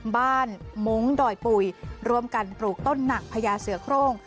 มุ้งดอยปุ๋ยร่วมกันปลูกต้นหนักพญาเสือโครง